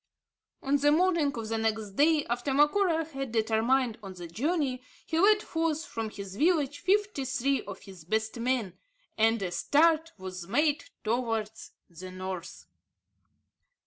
On the morning of the next day after Macora had determined on the journey, he led forth from his village fifty three of his best men; and a start was made towards the North.